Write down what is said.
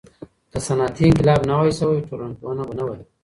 که صنعتي انقلاب نه وای سوی، ټولنپوهنه به نه وای.